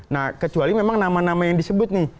nah kecuali memang nama nama yang disebut nih